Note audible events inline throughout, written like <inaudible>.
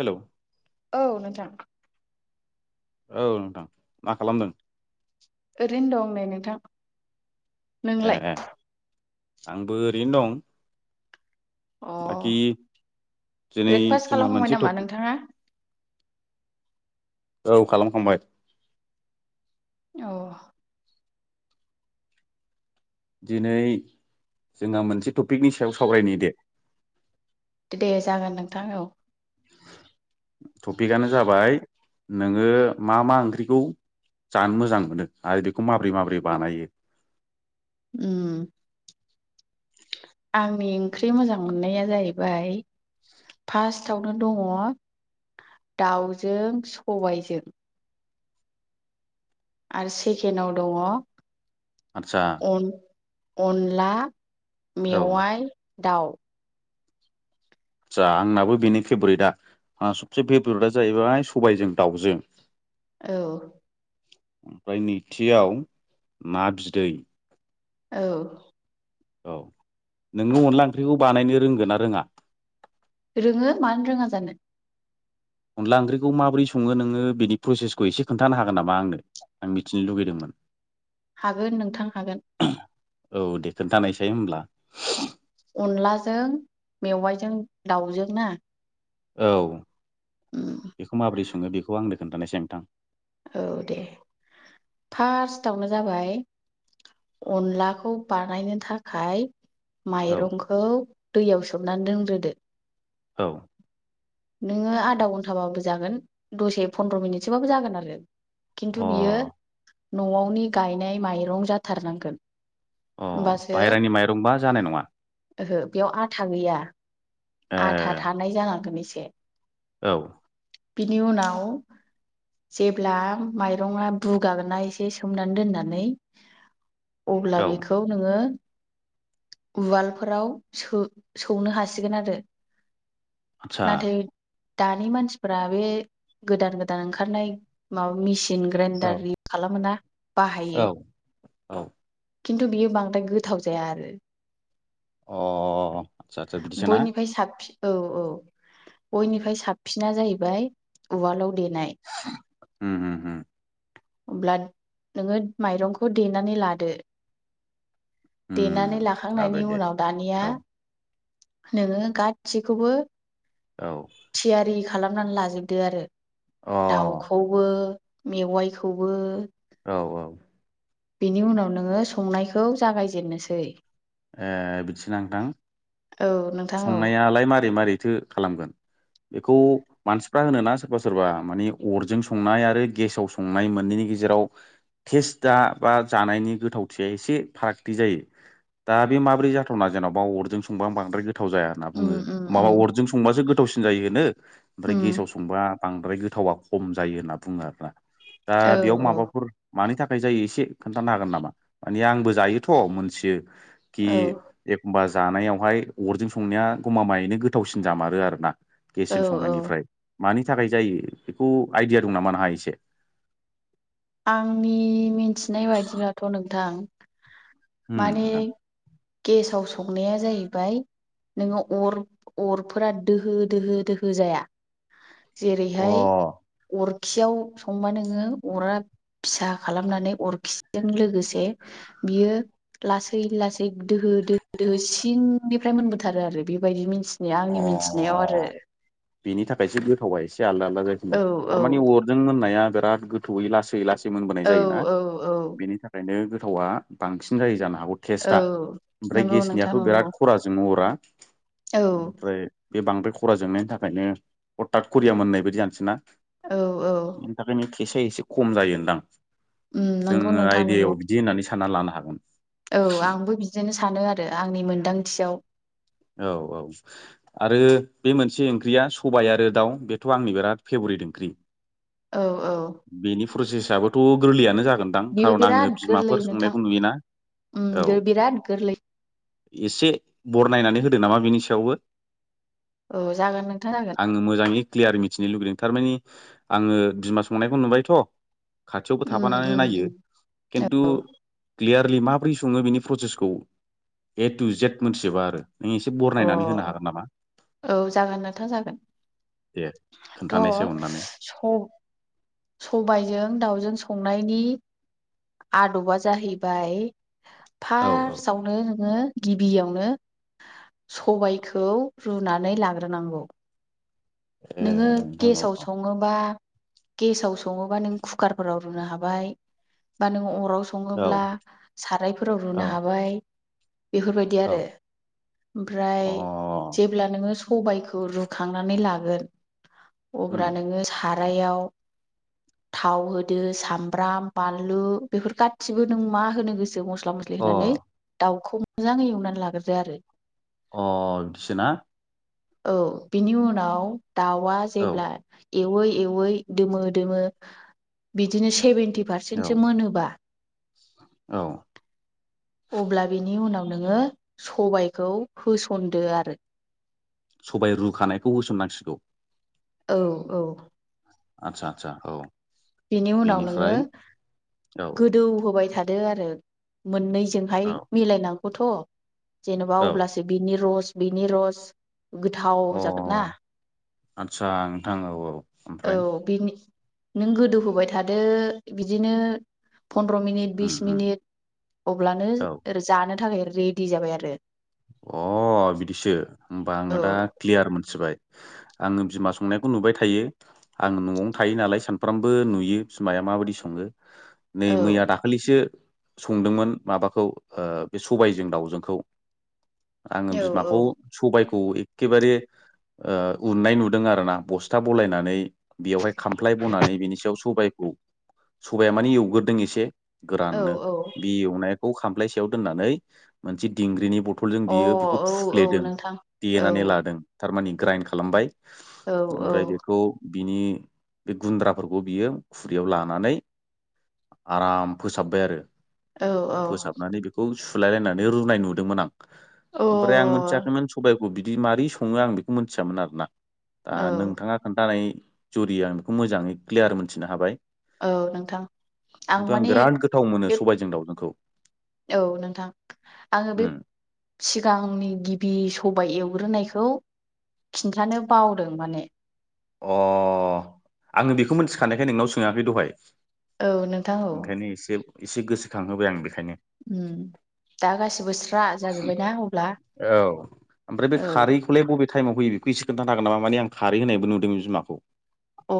हेल' औ नोंथां औ नोंथां मा खालामदों ओरैनो दं नै नोंथां ए नोंलाय ए आंबो ओरैनो दं अ बाखि दिनै ब्रेकफास्ट जोंहा खालामखांबाय मोनसे नामा टपिक नोंथाङा औ खालामखांबाय अ दिनै जोंहा मोनसे टपिकनि सायाव सावरायनाय नि दे दे जागोन नोंथां औ टपिकनो जाबाय नोङो मा मा ओंख्रिखौ जानो मोजां मोनो आरो बेखौ माबोरै माबोरै बानायो ओम आंनि ओंख्रि मोजां मोननाया जाहैबाय फार्स्ट आवनो दङ दाउजों सबायजों आरो सेकेन्डाव दङ आदसा अन अनला औ मेवाइ दाउ आदसा आंनाबो बेनि फेबरिटआ आंहा सबसे फेभरेटआ जाहैबाय सबायजों दाउजों औ ओमफ्राय नैथियाव ना बिदै औ औ नोंनो अनला ओंख्रिखौ बानायनो रोंगोन ना रोङा रोङो मानो रोङा जानो अनला ओंख्रिखौ माबोरै सङो नोङो बेनि प्रसेसखौ एसे खोन्थानो हागोन नामा आंनो आं मिथिनो लुगैदोंमोन हागोन नोंथां हागोन औ दे खोनथानायसै होनब्ला। अनलाजों मेवाइजों दाउजों ना? औ उम बेखौ माबोरै सङो बेखौ आंनो खोन्थानाय साय नोंथां। औ दे फार्स्टआवनो जाबाय अनलाखौ बानायनो थाखाय औ माइरंखौ दैयाव सोमनानै दोनग्रोदो। औ। नोङो आधा घन्टाबाबो जागोन दसे फन्द्र मिनिटसोबाबो जागोन आरो। अ खिन्थु बियो न'आवनि गायनाय माइरं जाथारनांगोन। अ होमबासो बाहेरानि माइ ओहो बेयाव आथा गैया, ए आथा थानाय जानांगोन एसे। औ। बिनि उनाव जेब्ला माइरङा बुगागोन ना एसे सोमनानै दोननानै अब्ला औ बेखौ नोङो उवालफोराव सो सौनो हासिगोन आरो। आतसा। नाथाय दानि मानसिफोरा बे गोदान गोदान ओंखारनाय माबा मिसिन औ ग्रेइडार रि खालामोना बाहायो औ औ। खिन्थु बियो बांद्राय गोथाव जाया आरो। अ। आदसा आदसा बिदिसो ना बयनिफाय साबसिन औ औ बयनिफ्राय साबसिना जाहैबाय उवालाव दे ओम ओम होम। अब्ला नोङो माइरंखौ देनानै लादो उम देनानै जाबाय लाखांनायनि दे उनाव दानिया औ नोङो गासिखौबो औ। थियारि खालामनानै लाजोबदो आरो अ दाउखौबो मेवाइखौबो औ औ। बिनि उनाव नोङो संनायखौ जागायजेननोसै। ए बिदिसो ना नोंथां? औ नोंथां औ संनायालाय मारै मारैथो खालामगोन? बेखौ मानसि फ्रा होनो ना सोरबा सोरबा माने अरजों संनाय आरो गेसाव संनाय मोननैनि गेजेराव टेस दा बा जानायनि गोथावथिया एसे फारागथि जायो। दा बे माब्रै जाथावना जेन'बा अरजों संबा बांद्राय गोथाव जाया होनना उम बुङो उम माबा उम अरजों संबासो गोथ थावसिन जायो होनो ओमफ्राय उम गेसाव संबा बांद्राय गोथावा खम जायो होनना बुङो आरोना। दा औ बेयाव औ माबाफोर मानि थाख खाय जायो एसे खोन्थानो हागोन नामा? माने आंबो जायोथ' मोनथियो कि औ एखमबा जानायावहाय अरजों संनाया गमामायैनो गोथावसिन जामारो आरोनना औ गेसजों औ संनायनिफ्राय। मानि थाखाय जायो बेखौ आइडिया दं नामा नोंहा एसे? आंनि मिथिनाय बायदिब्लाथ' नोंथां होम माने नोंथां। गेसाव संनाया जाहैबाय नोङो अर अरफोरा दोहो दोहो दोहो जाया। अ जेरैहाय अरखियाव संबा नोङो अरा फिसा खालामनानै अरखिजों लोगोसे बियो लासै लासै दोहो दोहो दोहो सिंनिफ्राय मोनबोथारो आरो बेबायदि मिन्थि बे आंनि मिथिनायाव आरो बिनि थाखायसो गोथावा एसे आलदा आलदा जायोखोमा औ थारमाने अरजों मोननाया बेराद गोथौवै लासै लासै मोनबोनाय औ जायोना औ औ बेनि थाखायनो गो गोथावा बांसिन जायो जानो हागौ औ टेस्टआ ओमफ्राय नंगौ नोंथां गेसनियाथ' नंगौ बिराद खराजों अरा औ ओमफ्राय बे बांद्राय खरा जोंनायनि थाखायनो हथात करिया मोननाय बायदि जानोसै ना औ औ टेस्टआ एसे खम जायोनोदां उम नंगौ जोङो नोंथां नंगौ आइडियायाव बिदि होननानै सानना लानो हागोन। औ आंबो बिदिनो सानो आरो आंनि मोनदांथियाव औ औ आरो बे मोनसे ओंख्रिया सबाय आरो दाउ बेथ' आंनि बिराद फेभरेट ओंख्रि औ औ बेनि प्रसेसआबोथ' गोरलैयानो जा जागोनदां बेबो खारन आङो बिराद गोरलै बिमाफोर नोंथां संनायखौ नुयोना औ उम बिराद गोरलै एसे बरनायनायनानै होदो नामा बेनि सायावबो। औ जागोन नोंथां जागोन आङो मोजाङै क्लियार मिथिनो लुबैदों थारमाने आङो बिमा संनायखौ नुबायथ'। खाथियावबो उम थाफानानै उम नायो खिन्थु उम क्लियारलि माब्रै सङो बेनि प्रसेसखौ ए टु जेद मोनथिजोबा आरो नों एसे अ बरनायनानै होनो हागोन नामा औ जागोन नोंथां जागोन दे थ' खोन्थानायसै अननानै सब‌ सबायजों दाउजों संनायनि आद'बा जाहैबाय औ औ फार्स्टआवनो नोङो गिबियावनो सबायखौ रुनानै लाग्रोनांगौ ए नोङो नोंथां औ गेसाव सङोबा गेसाव सङोबा नों कुकारफोराव रुनो हाबाय बा नों अराव औ सङोब्ला सारायफोराव औ रुनो हाबाय बेफोरबायदि औ आरो अ ओमफ्राय जेब्ला नोङो सबायखौ रुखांनानै लागोन उम अब्ला नोङो सारायाव थाव होदो सामब्राम बानलु बेफोर गासिबो नों मा होनो गोसो मस्ला मस्ला मस्लि अ होनानै दाउखौ मोजाङै एवनानै लाग्रोदो आरो अ बिदिसोना औ बिनि उनाव दाउआ औ जेब्ला एवै एवै दोमो दोमो बिदिनो सेभेन सेभेन्टि औ फारसेन्त सो मोनोबा औ अब्ला बिनि उनाव नोङो सबायखौ होसनदो आरो सबाय रुखानायखौ होसननांसिगौ औ औ आतसा आतसा औ बेनि उनाव नोङो बेनिफ्राय औ गोदौ होबाय थादो आरो मोननै जोंहाय औ मिलायनांगौथ' जेनेबा औ अब्लासो बिनि रस बिनि रस गोथाव जागोन ना अ आदसा नोंथां औ औ औ ओमफ्राय बेनि नों गोदो होबाय थादो बिदिनो फन्द्र' मिनिट उम बिस उम मिनिट अब्लानो औ जानो थाखाय रेडि जाबाय आरो अ बिदिसो होमबा आङो औ दा क्लियार मोनथिबाय आङो बिमा संनायखौ नुबाय थायो आं न'आवनो थायो नालाय सानफ्रामबो नुयो बिमाया माबायदि सङो नै मैया औ दाखालिसो संदोंमोन माबाखौ बे सबायजों दाउजोंखौ। आङो औ बिमाखौ सबायखौ खौ एखेबारे ओ उननाय नुदों आर ना बस्था बलायनानै बेवहाय खामफ्लाय बनानै बिनि सायाव सबायाइखौ सबाया माने एवग्रोदों एसे औ गोराननो बे एवनायखौ खामफ्लाय सायाव दोननानै मोनसे दिंग्रिनि बथल दटलजों औ बियो बेखौ अ औ औ फुफ्लेदों नोंथां औ देनानै लादों थारमानि ग्राइन्ड खालामबाय। औ ओमफ्राय औ। बेखौ बिनि बे गुन्द्राफोरखौ बियो खुरैयाव लानानै आराम फोसाबबाय आरो। औ औ फोसाबनानै बेखौ सुलायलायनानै रुनाय नुदोंमोन आं। अ ओमफ्राय आं औ मोनथियाखैमोन सबायखौ बिदि मारोरै सङो आं बेखौ मिथियामोन आरोना। दा नोंथाङा खोन्थानाय जुरि आं बेखौ मोजाङै क्लियार मोनथिनो हाबाय। औ नोंथां खिन्थु आं बिराद गोथाव मोनो बे सबायजों दावजोंखौ। औ नोंथां आङो बे उम सिगांनि गिबि सबाय एवग्रोनायखौ खिन्थानो बावदों माने। अ आङो बेखौ मिथिखानायखाय नोंनाव सोङाखै दहाय औ नोंथां औ ओंखायनो एसे एसे गोसोखांहोबाय आं बे। उम दा गाससिबोस्रि औ ओमफ्राय बे औ खारैखौलाय बबे टाइमाव होयो बे बेखौ एसे खोन्थानो हागोन नामा माने आं खारै होनायबो नुदों बिमाखौ अ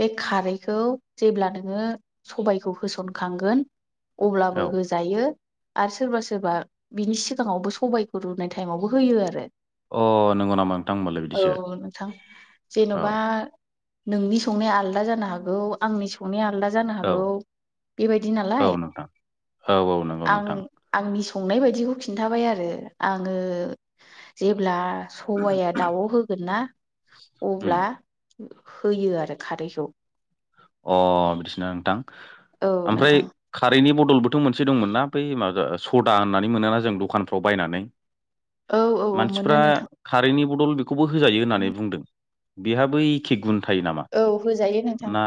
बे खारैखौ जेब्ला नोङो सबायखौ होसनखांगोन। औ अब्लाबो होजायो आरो सोरबा सोरबा। बिनि सिगाङावबो सबायखौ रुनाय टाइमावबो होयो आरो अ नंगौ नामा नोंथां होमबालाय औ बिदिसो नोंथां औ जेन'बा नोंनि संनाया आलादा जानो। हागौ आंनि संनाया आलादा। जानो औ हागौ बे औ बादिनालाय। नोंथां औ औ नंगौ आं नोंथां आंनि संनाय बायदिखौ खिन्थाबाय आरो आङो जेब्ला। सबाया दाउआव होगोनना उम अब्ला होयो। आरो खारैखौ अ बिदिसना नोंथां औ ओमफ्राय नोंथां खारैनि बथल बदलबोथ' मोनसे दंमोन नना बै माबा सदा होननानै मोनोना जों दखानफ्राव बायनानै। औ औ औ मोनो मानसिफ्रा नोंथां खारैन्नि बदल बेखौबो होजायो होननानै बुंदों। बेहाबो एखे गुन। थायो नामा औ होजायो नों ना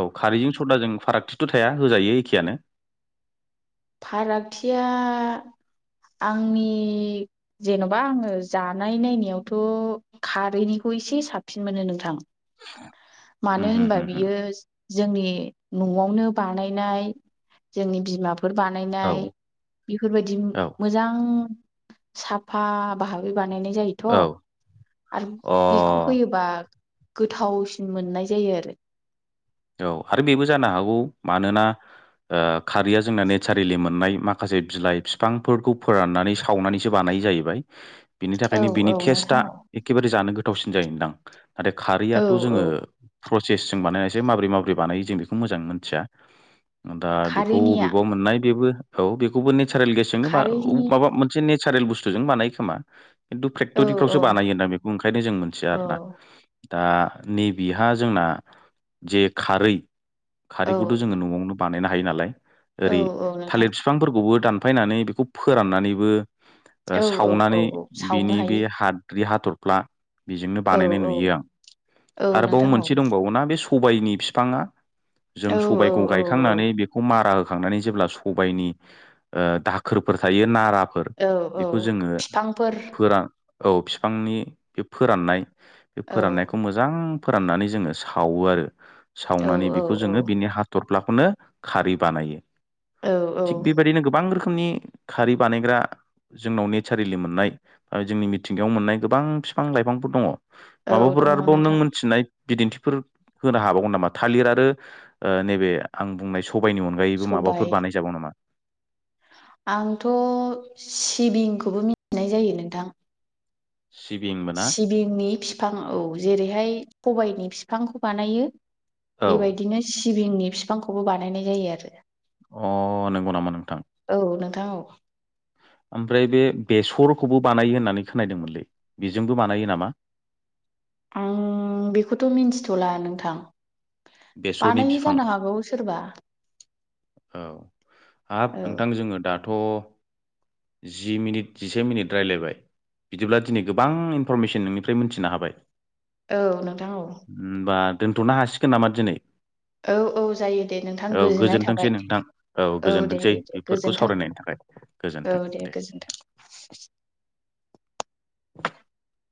औ खारैजों सदाजों फारागथि। थाया होजायो एखेयानो। फारागथिया आंनि जेन'बा आङो जानाय नायनायावथ' खारैनिखौ एसे साबसिन मोनो नोंथां उम मानो होम होनबा होम होम बियो। जोंनि न'आवनो बानायनाय जोंनि बिमा फोर औ बानायनाय बेफोरबायदि औ मोजां साफा बाहाबै बानायनाय जायोथ औ अ आरो बेखौहोयोबा। गोथावसिन मोननाय जायो आरो औ आरो बेबो जानो हागौ मानोना ओ खारैया जोंना नेचारेलि मोननाय माखासे बिलाइ बिफांफोरखौ फोराननानै सावनानैसो बानाय। जाहैबाय। बिनि औ थाखायनो बिनि औ टेस्टआ नोंथां औ एखेबारे जानो गोथावसिन जायोनदां नाथाय औ खारैयाथ' औ जोङो। प्रसेस जों बानायनायसो माबोरै माबोरै बानायो जों बेखौ मोजां मोनथिया। दा बेखौ खारैनिया अबेबाव मोननाय बेबो औ बेखौबो नेचारेल गेसजोंनो खारैनि माबा मोनसे ने सारेल बुस्थुजों बानायो खोमा। खिन्थु औ फेक्ट'रिफ्रावसो बानायोदां बेखौ ओंखायनो जों मोनथिया औ आरो ना। दा नैबेहा जोंना जे खारै औ खारैखौथ' जोङो न'आवनो। बानायनो हायो नालाय औ ओरै औ नोंथां थालिर बिफांफोरखौबो दानफायनानै बेखौ फोराननानैबो ओ औ औ औ सावनानै औ सावनो बिनि बे हायो हाद्रि हाथरफ्ला बेजोंनो औ बानायनाय औ नुयो आं औ आरोबाव नोंथां औ मोनसे दंबावोना बेस सबायनि बिफाङा जों औ औ सबायखौ औ गायखांनानै बेखौ मारा हो खांनानै जेब्ला सबायनि दाखोरफोर थायो नारा फोर औ औ बेखौ जोङो बिफांफोर फोरान औ बिफांनि बे फोराननाय बे औ फोराननायखौ औ मोजां फोराननानै जोङो सावो आरो औ सावनानै औ बेखौ जोङो बिनि हाथर फ्लाखौनो खारै बानायो औ थिग औ बेबायदिनो गोबां रोखोम नि खारै बानायग्रा जोंनाव नेचारेलि मोननाय जोंनि मिथिंगायाव मोननाय गोबां बिफां लाइफांफोर दङ। औ माबाफोर दङ आरोबाव नों नोंथां मिथिनाय बिदिन्थिफोर होनो हाबावगौ नामा थालिर आरो नैबे आं बुंनाय सम सबायाइनि अनगायैबो माबाफोर सबाय बानाय जागौ नामा? आंथ' सिबिंखौबो मिथिनाय जायो नोंथां। सिबिंबो ना सिबिंनि फिफां औ जेरैहाय सबायनि बिफांखौ बानायो। औ बेबायदिनो सिबिंनि बिफांखौबो बानायनाय जायो आरो अ नंगौ नामा नोंथां। थां ओ। ओमफ्राय बे बेसरखौबो बानायो होननानै खोनादोंमोनलै बेजोंबो बानायो नामा? <unintelligible> आं बेखौथ' मिन्थिथ'ला नोंथां। बेसरनि बानायो बिफां जानो हागौ सोरबा। औ हाब औ नोंथां जोङो दाथ' जि मिनिट जिसे मिनिट रायलायबाय। बिदिब्ला दिनै गोबां इनफरमेसन नोंनिफ्राय मोनथिनो हाबाय। औ नोंथां औ। दोन्थ'नो हासिगोन नामा दिनै? औ औ जायो दे नोंथां गोजोननाय जे थाबाय। नोंथां औ दे गोजोनथोंसै दे दे बेफोरखौ गोजोन्थों सावरायनायनि थाखाय औ गोजोनथों दे। गोजोन्थों <inaudible>